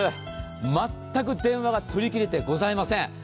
全く電話が取り切れてございません。